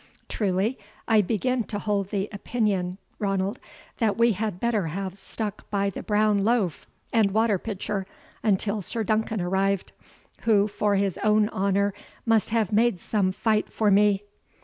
Truly I begin to hold the opinion, Ranald, that we had better have stuck by the brown loaf and water pitcher until Sir Duncan arrived, who, for his own honour, must have made some fight for me."